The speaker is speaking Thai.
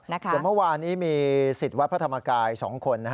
ส่วนเมื่อวานนี้มีสิทธิ์วัดพระธรรมกาย๒คน